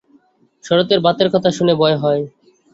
শরতের বাতের কথা শুনে ভয় হয়।